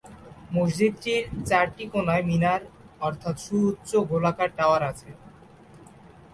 মসজিদটির চারটি কোনায় মিনার অর্থাৎ সুউচ্চ গোলাকার টাওয়ার আছে।